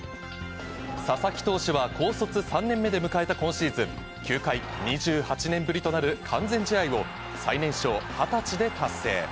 佐々木投手は高卒３年目で迎えた今シーズン、球界２８年ぶりとなる完全試合を、最年少２０歳で達成。